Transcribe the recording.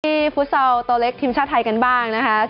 ฟุตซอลตัวเล็กทีมชาติไทยกันบ้างนะคะ